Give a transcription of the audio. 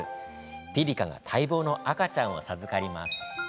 ピリカが待望の赤ちゃんを授かります。